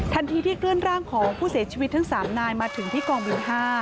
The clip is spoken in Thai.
ที่เคลื่อนร่างของผู้เสียชีวิตทั้ง๓นายมาถึงที่กองบิน๕